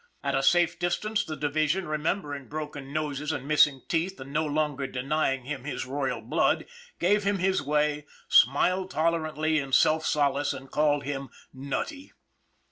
At a safe distance the division, remembering broken noses and missing teeth and no longer denying him his royal blood, gave him his way, smiled tolerantly in self solace and called him " nutty."